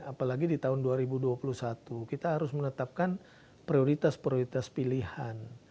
apalagi di tahun dua ribu dua puluh satu kita harus menetapkan prioritas prioritas pilihan